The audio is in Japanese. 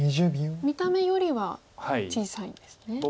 見た目よりは小さいんですね。